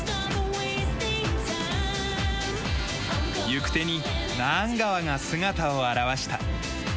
行く手にナーン川が姿を現した。